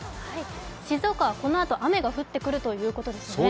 静岡はこのあと雨が降ってくるということですよね。